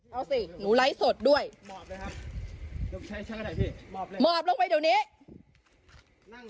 เอาสิหนูไล่สดด้วยหมอบเลยครับเดี๋ยวใช้ชั้นก็ได้พี่หมอบเลย